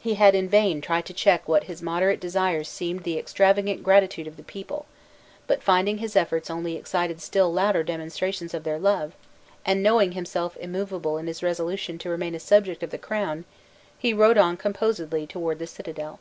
He had in vain tried to check what his moderate desires deemed the extravagant gratitude of the people; but finding his efforts only excited still louder demonstrations of their love, and knowing himself immovable in his resolution to remain a subject of the crown, he rode on composedly toward the citadel.